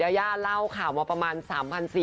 ได้ย่าเล่าข่าวมาประมาณ๓๔๐๐ล้านปี